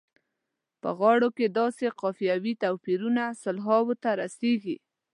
په غاړو کې داسې قافیوي توپیرونه سلهاوو ته رسیږي.